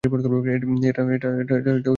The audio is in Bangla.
এটা আমার দুনিয়া।